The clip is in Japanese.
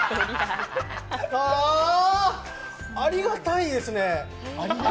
ああありがたいですね。